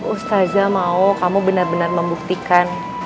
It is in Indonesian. ustazah mau kamu benar benar membuktikan